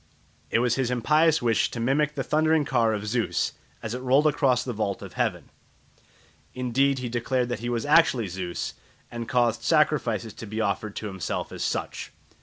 It was his impious wish to mimic the thundering car of Zeus as it rolled across the vault of heaven. Indeed he declared that he was actually Zeus, and caused sacrifices to be offered to himself as such.